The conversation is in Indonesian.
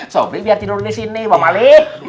sobri biar tidur disini bang mali